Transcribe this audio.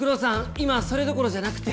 今それどころじゃなくて。